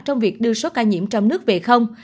trong việc đưa số ca nhiễm trong nước về không